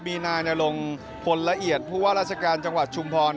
มีนายนรงพลละเอียดราชการจังหวัดชุมพอร์